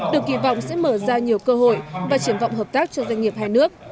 được kỳ vọng sẽ mở ra nhiều cơ hội và triển vọng hợp tác cho doanh nghiệp hai nước